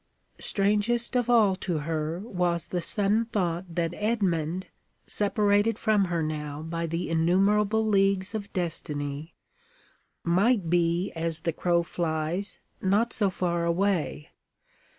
Strangest of all to her was the sudden thought that Edmund, separated from her now by the innumerable leagues of destiny, might be, as the crow flies, not so far away.